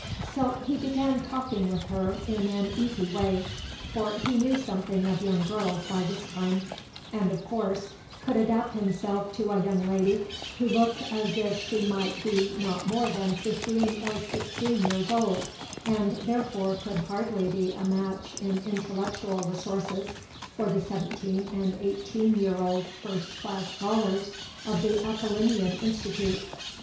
So he began talking with her in an easy way; for he knew something of young girls by this time, and, of course, could adapt himself to a young lady who looked as if she might be not more than fifteen or sixteen years old, and therefore could hardly be a match in intellectual resources for the seventeen and eighteen year old first class scholars of the Apollinean Institute.